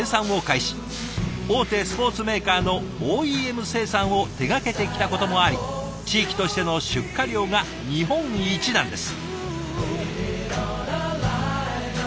大手スポーツメーカーのＯＥＭ生産を手がけてきたこともあり地域としての出荷量が日本一なんです。